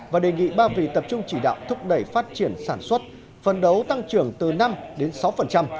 và đề nghị ba vì tập trung chỉ đạo thúc đẩy phát triển sản xuất phân đấu tăng trưởng từ năm đến sáu